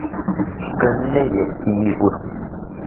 跟内隐记忆不同。